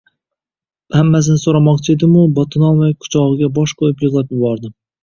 Hammasini so`ramoqchi edim-u, botinolmay, quchog`iga bosh qo`yib yig`lab yubordim